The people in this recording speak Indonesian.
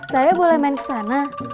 saya boleh main kesana